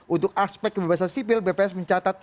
untuk aspek kebebasan sipil bps mencatat